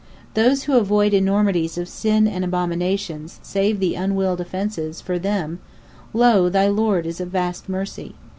P: Those who avoid enormities of sin and abominations, save the unwilled offences (for them) lo! thy Lord is of vast mercy.